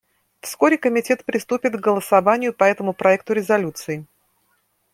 Вскоре Комитет приступит к голосованию по этому проекту резолюции.